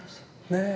ねえ。